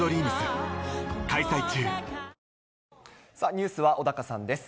ニュースは小高さんです。